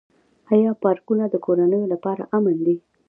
آیا پارکونه د کورنیو لپاره امن دي؟